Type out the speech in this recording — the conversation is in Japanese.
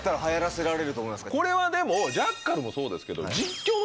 これはでもジャッカルもそうですけど。